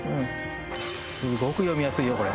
すごく読みやすいよこれ。